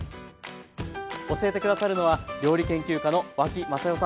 教えて下さるのは料理研究家の脇雅世さんです。